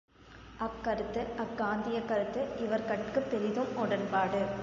அக்கருத்து அக்காந்தியக் கருத்து இவர்கட்குப் பெரிதும் உடன்பாடு.